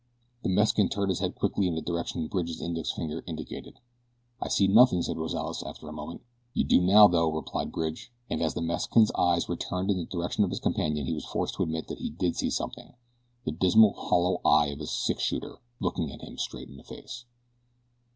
The Mexican turned his head quickly in the direction Bridge's index finger indicated. "I see nothing," said Rozales, after a moment. "You do now, though," replied Bridge, and as the Mexican's eyes returned in the direction of his companion he was forced to admit that he did see something the dismal, hollow eye of a six shooter looking him straight in the face.